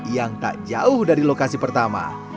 yang tak jauh dari lokasi pertama